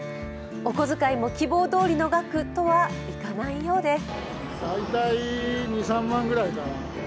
お小遣いも希望通りの額とはいかないようです。